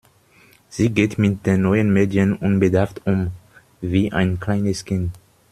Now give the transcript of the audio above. Sie geht mit den neuen Medien unbedarft um, wie ein kleines Kind.